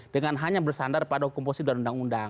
dengan hanya bersandar pada hukum positif dan undang undang